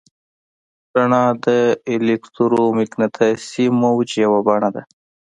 رڼا د الکترومقناطیسي موج یوه بڼه ده.